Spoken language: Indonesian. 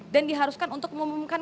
dan diharuskan untuk memumumkan